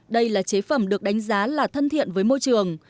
đây là chế phẩm được đánh giá là thân thiện với môi trường